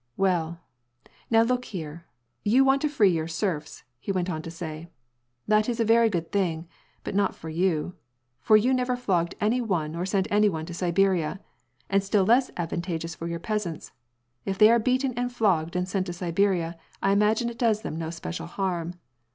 " Well, now look here, you want to free your serfs," he went on to say, " that is a very good thing, but not for you — for you never flogged any one or sent any one to Siberia — and still less advantageous for your peasants. If they are beaten and flogged and sent to Siberia I imagine it does them no special harm.